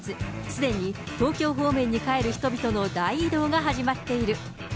すでに東京方面に帰る人々の大移動が始まっている。